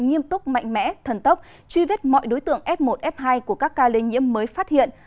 nghiêm túc mạnh mẽ thần tốc truy vết mọi đối tượng f một f hai của các ca lây nhiễm mới phát hiện